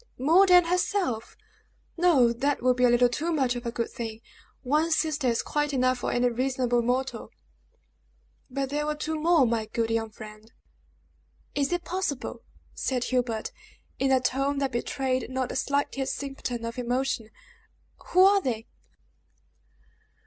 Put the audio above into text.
"More than herself! No. That would be a little too much of a good thing! One sister is quite enough for any reasonable mortal." "But there were two more, my good young friend!" "Is it possible?" said Hubert, in a tone that betrayed not the slightest symptom of emotion. "Who are they?"